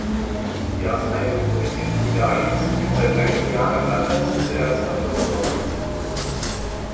Die Arzneimittelpolitik Bulgariens gibt seit einigen Jahren Anlass zu ernsthafter Besorgnis.